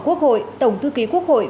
quốc hội tổng thư ký quốc hội